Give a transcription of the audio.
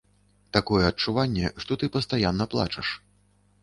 Такое адчуванне, што ты пастаянна плачаш.